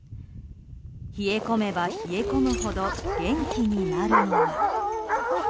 冷え込めば冷え込むほど元気になるのは。